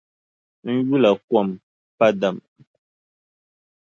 N yula kom pa dam.